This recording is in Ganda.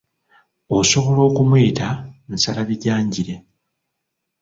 Osobola okumuyita nsalabijanjire.